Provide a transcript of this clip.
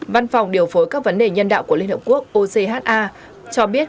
văn phòng điều phối các vấn đề nhân đạo của liên hợp quốc ocha cho biết